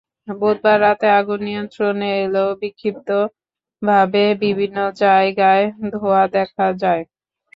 বুধবার রাতে আগুন নিয়ন্ত্রণে এলেও বিক্ষিপ্তভাবে বিভিন্ন জায়গায় ধোঁয়া দেখা যায়।